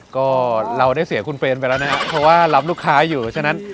ก็เราได้เสียคุณเฟรนไปแล้วนะครับเพราะว่ารับลูกค้าอยู่ฉะนั้น